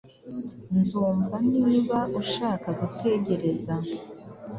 Nzumva niba ushaka gutegereza.